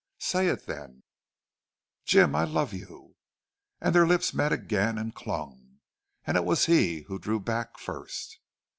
"Say it, then." "Jim, I love you!" And their lips met again and clung, and it was he who drew back first.